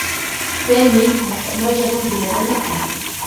سامي مُعحب بهذا المكان.